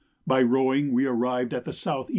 By rowing we arrived at the S.E.